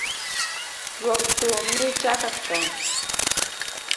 Juog thum ni chaka chon.